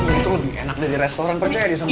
ini enak dari restoran percaya di sana